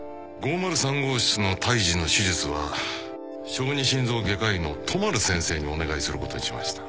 ５０３号室の胎児の手術は小児心臓外科医の都丸先生にお願いすることにしました